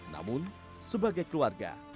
namun sebagai keluarga